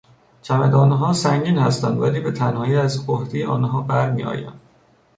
چمدانها سنگین هستند ولی به تنهایی از عهدهی آنها برمیآیم.